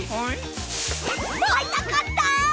あいたかった！